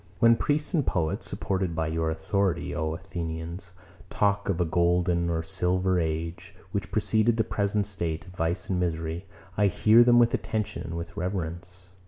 107. When priests and poets, supported by your authority, O Athenians, talk of a golden or silver age, which preceded the present state of vice and misery, I hear them with attention and with reverence.